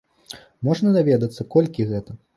Можна даведацца, колькі гэта?